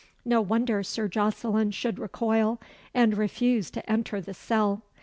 No wonder Sir Jocelyn should recoil, and refuse to enter the cell.